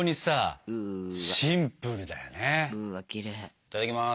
いただきます。